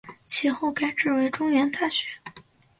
其后改制为中原大学。